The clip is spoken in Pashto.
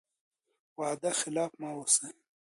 وعده خلاف مه اوسئ.